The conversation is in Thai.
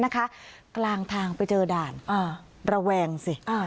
กลางทางไปเจอด่านระแวงสิ